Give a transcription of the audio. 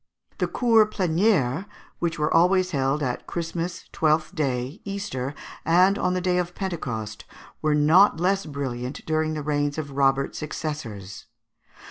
The Cours Plénières, which were always held at Christmas, Twelfth day, Easter, and on the day of Pentecost, were not less brilliant during the reigns of Robert's successors.